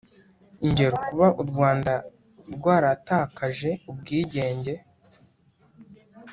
Ingero: kuba u Rwanda rwaratakaje ubwigenge,